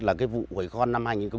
là vụ hủy con năm hai nghìn một mươi một